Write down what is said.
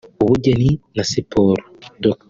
Ubugeni na Siporo Dr